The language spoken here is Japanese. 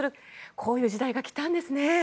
こういう時代が来たんですね。